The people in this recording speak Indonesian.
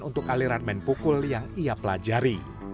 untuk aliran main pukul yang ia pelajari